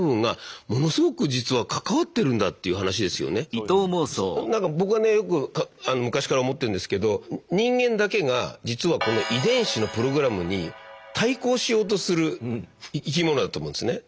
これはだから実はなんか僕はねよく昔から思ってんですけど人間だけが実はこの遺伝子のプログラムに対抗しようとする生き物だと思うんですね。